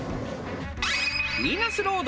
ヴィーナスロード